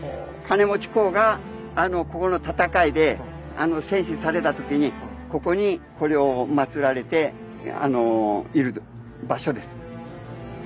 兼持公がここの戦いで戦死された時にここにこれをまつられている場所です。